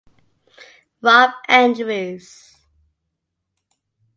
Rob Andrews.